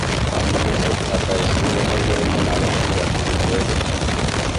বাংলাদেশের ঢাকায় সুইজারল্যান্ডের একজন আবাসিক রাষ্ট্রদূত রয়েছে।